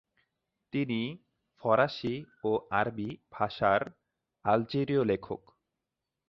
তিনি ফরাসী ও আরবি ভাষার আলজেরীয় লেখক।